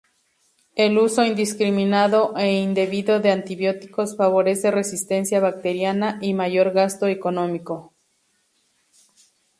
El uso indiscriminado e indebido de antibióticos, favorece resistencia bacteriana y mayor gasto económico.